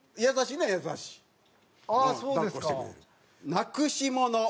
「なくしもの」